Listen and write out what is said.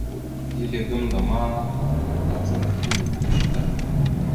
Ezle gamənda ma tazam ele mitəweshe da.